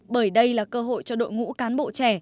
bởi đây là cơ hội cho đội ngũ cán bộ trẻ